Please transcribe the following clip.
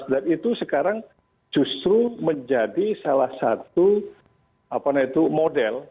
dan itu sekarang justru menjadi salah satu model